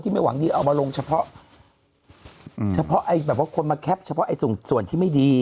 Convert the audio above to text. ไม่หวังดีเอามาลงเฉพาะเฉพาะไอ้แบบว่าคนมาแคปเฉพาะส่วนที่ไม่ดี